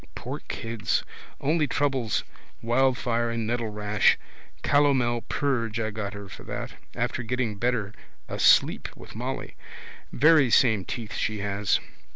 Poor kids! Only troubles wildfire and nettlerash. Calomel purge I got her for that. After getting better asleep with Molly. Very same teeth she has.